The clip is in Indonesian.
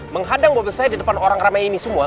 menghadang mobil saya di depan orang ramai ini semua